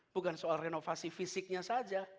bukan soal renovasi fisiknya saja